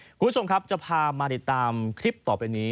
คุณผู้ชมครับจะพามาติดตามคลิปต่อไปนี้